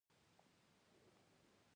حمزه قدر په خپل کور کې د چا نه شي.